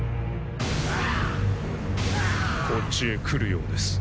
こっちへ来るようです。